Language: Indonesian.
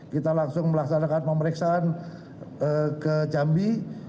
kita langsung melaksanakan pemeriksaan ke jambi